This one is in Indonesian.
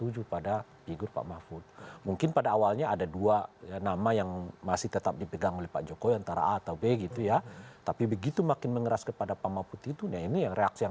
jelang penutupan pendaftaran